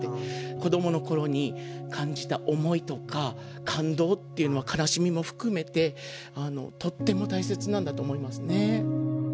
子どもの頃に感じた思いとか感動っていうのは悲しみも含めてとっても大切なんだと思いますね。